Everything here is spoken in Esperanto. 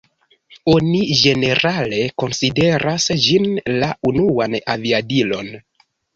Oni ĝenerale konsideras ĝin la unuan aviadilon.